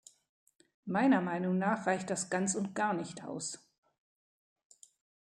Meiner Meinung nach reicht das ganz und gar nicht aus.